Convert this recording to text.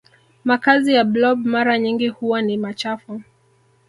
makazi ya blob mara nyingi huwa ni machafu